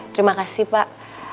terima kasih pak